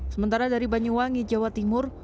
sementara dari banyuwangi jawa timur